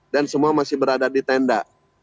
dan semua masih berada di tenda